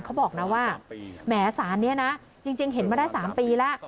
เขาบอกนะว่าแหมสารนี้นะจริงเห็นมาได้๓ปีแล้ว